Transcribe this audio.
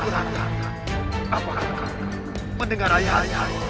apakah kalian mendengar ayah